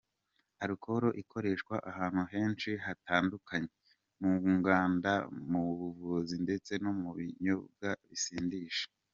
Alcool ikoreshwa ahantu henshi hatandukanye: Mu nganda, mu buvuzi ndetse no mu binyobwa bisindisha.